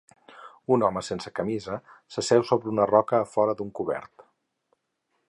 Un home sense camisa s'asseu sobre una roca afora d'un cobert.